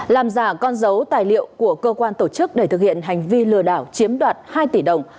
làm giả con dấu tài liệu của cơ quan tổ chức để thực hiện hành vi lừa đảo chiếm đoạt hai tỷ đồng